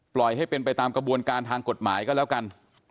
ปล่อยให้เป็นไปตามกระบวนการทางกฎหมายก็แล้วกัน